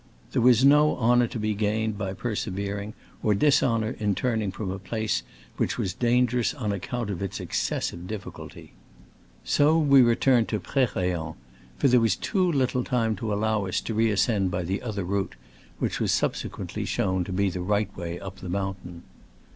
There was no honor to be gained by persevering, or dishonor in turning from a place which was dangerous on account of its exces sive difficulty. So we returned to Pre rayen, for there was too little time to allow us to reascend by the other route, Digitized by Google 6& SCRAMBLES AM0NGS7' THE ALPS IN i86o '69. which was subsequently shown to be the right way up the mountain.